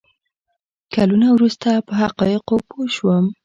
کلونه وروسته په حقایقو پوه شوم.